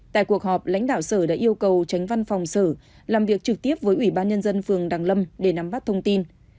tại cuộc họp lãnh đạo sở đã yêu cầu tránh văn phòng sở làm việc trực tiếp với ủy ban nhân dân phường đằng lâm để nắm bắt thông tin